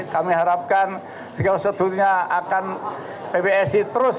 kami harapkan sekian setelahnya akan pbb pbsi terus berjalan